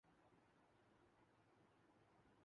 وُہ تحیّر جو تُمھیں لے کے یہاں آیا تھا